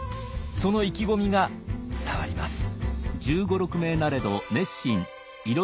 その意気込みが伝わります。